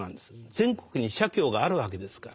全国に社協があるわけですから。